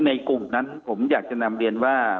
ในกลุ่มนั้นผมอยากจะนำเรียนว่า